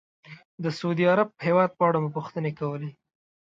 د سعودي عرب هېواد په اړه مو پوښتنې کولې.